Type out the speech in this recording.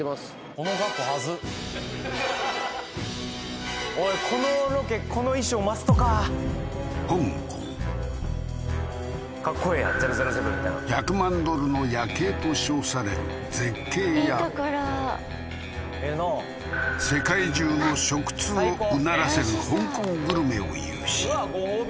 この格好恥ずっおいこのロケこの衣装マストかかっこええな００７みたいな１００万ドルの夜景と称される絶景やいい所ええな世界中の食通をうならせる香港グルメを有しうわご褒美